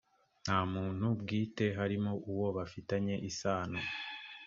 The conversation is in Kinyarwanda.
nta umuntu bwite harimo uwo bafitanye isano